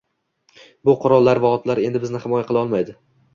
Bu qurollar va otlar endi bizni himoya qila olmaydi